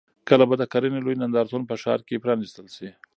کله به د کرنې لوی نندارتون په ښار کې پرانیستل شي؟